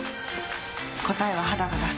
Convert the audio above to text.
答えは肌が出す。